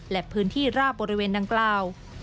และพื้นที่ราบบริเวณดังกล่าว